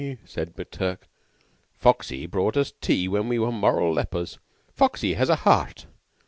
said McTurk. "Foxy brought us tea when we were moral lepers. Foxy has a heart.